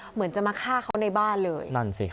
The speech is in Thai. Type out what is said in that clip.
เหมือนจะมาฆ่าเขาในบ้านเลย